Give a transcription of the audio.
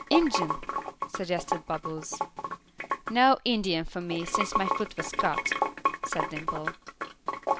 "Injun," suggested Bubbles. "No Indian for me, since my foot was cut," said Dimple.